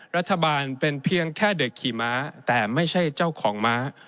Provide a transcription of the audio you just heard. รัฐบาลเป็นเพียงแค่เด็กขี่ม้าแต่ไม่ใช่เจ้าของม้า